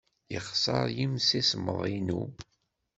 Yexṣer yimsismeḍ-inu.